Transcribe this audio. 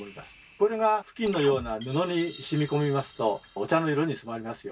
これが布巾のような布に染み込みますとお茶の色に染まりますよね。